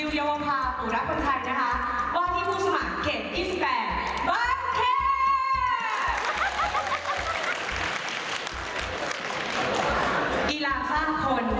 อีกต้องคิดแห่ง